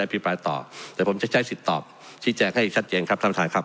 พิพายต่อแต่ผมจะใช้สิทธิ์ตอบที่แจ้งให้ชัดเย็นครับท่านท่านครับ